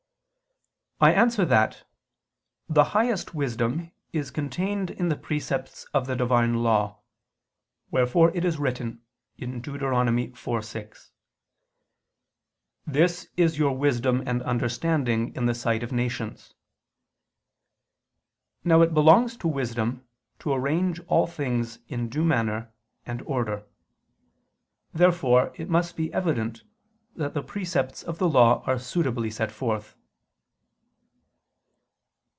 I answer that, The highest wisdom is contained in the precepts of the Divine law: wherefore it is written (Deut. 4:6): "This is your wisdom and understanding in the sight of nations." Now it belongs to wisdom to arrange all things in due manner and order. Therefore it must be evident that the precepts of the Law are suitably set forth.